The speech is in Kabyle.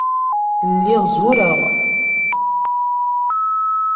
Lliɣ zureɣ.